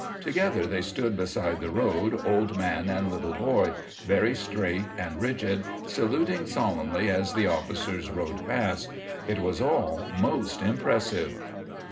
Together they stood beside the road, old man and little boy, very straight and rigid, saluting solemnly as the officers rode past. It was all most impressive.